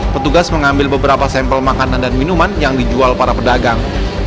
petugas mengambil beberapa sampel makanan dan minuman yang dijual para pedagang